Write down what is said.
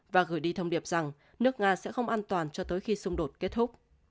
và gửi đi thông điệp rằng nước nga sẽ không an toàn cho tới khi xung đột kết thúc